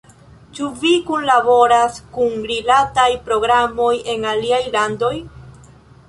Ĉu vi kunlaboras kun rilataj programoj en aliaj landoj?